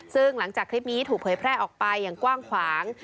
ซึ่งหลังจากคลิปนี้ถูกเผยแพร่ออกไปอย่างกว้างขวาง